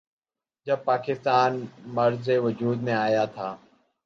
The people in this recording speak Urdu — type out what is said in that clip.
جب پاکستان معرض وجود میں آیا تھا۔